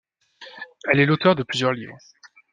Elle est l'auteure de plusieurs livres.